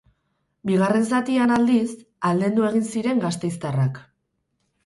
Bigarren zatian, aldiz, aldendu egin ziren gasteiztarrak.